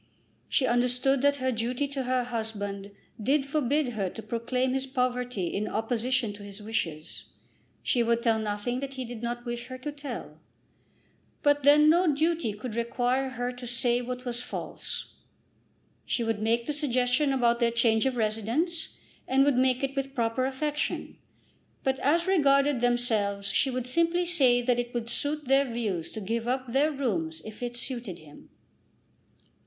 She understood that her duty to her husband did forbid her to proclaim his poverty in opposition to his wishes. She would tell nothing that he did not wish her to tell, but then no duty could require her to say what was false. She would make the suggestion about their change of residence, and would make it with proper affection; but as regarded themselves she would simply say that it would suit their views to give up their rooms if it suited him. Mr.